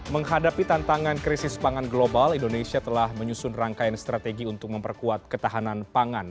menghadapi tantangan krisis pangan global indonesia telah menyusun rangkaian strategi untuk memperkuat ketahanan pangan